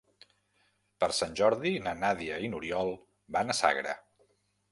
Per Sant Jordi na Nàdia i n'Oriol van a Sagra.